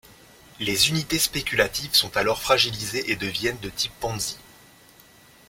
Les unités spéculatives sont alors fragilisées et deviennent de type Ponzi.